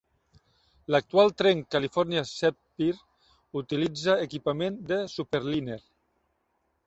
L'actual tren "California Zephyr" utilitza equipament de Superliner.